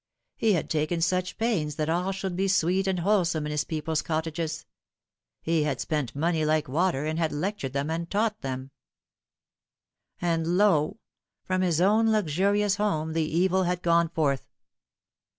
He had taken such pains that all should be sweet and wholesome in his people's cottages ; he had spent money like water, and had lectured them and taught them ; and lo ! from his own luxurious home the evil had gone forth.